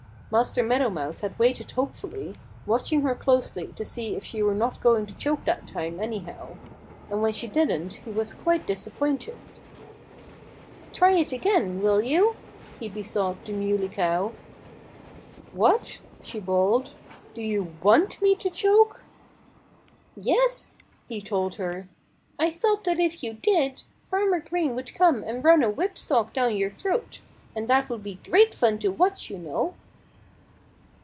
Master Meadow Mouse had waited hopefully, watching her closely to see if she were not going to choke that time, anyhow. And when she didn't he was quite disappointed. "Try it again will you?" he besought the Muley Cow. "What!" she bawled. "Do you want me to choke?" "Yes!" he told her. "I thought that if you did, Farmer Green would come and run a whip stock down your throat. And that would be great fun to watch, you know."